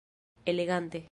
Elegante!